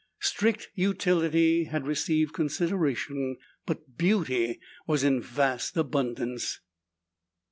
Strict utility had received consideration, but beauty was in vast abundance.